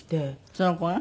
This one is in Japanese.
その子が？